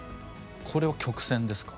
これは曲先ですか？